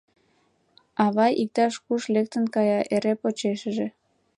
Авай иктаж-куш лектын кая — эре почешыже.